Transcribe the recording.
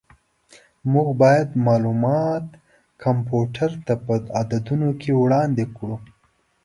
موږ باید معلومات کمپیوټر ته په عددونو کې وړاندې کړو.